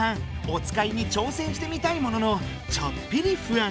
おつかいに挑戦してみたいもののちょっぴり不安。